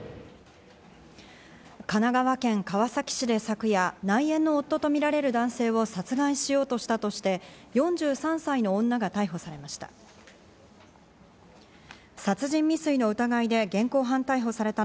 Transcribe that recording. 神奈川県川崎市で昨夜、内縁の夫とみられる男性を殺害しようとしたとして、４３歳の女が逮捕されました。